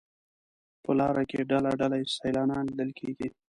په لاره کې ډله ډله سیلانیان لیدل کېږي.